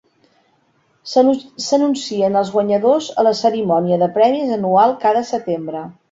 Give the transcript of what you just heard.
S'anuncien els guanyadors a la cerimònia de premis anual cada setembre.